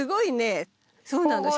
そうなの。